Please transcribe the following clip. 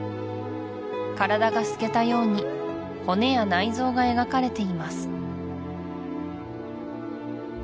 体が透けたように骨や内臓が描かれています